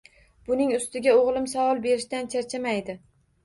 Buning ustiga o`g`lim savol berishdan charchamaydi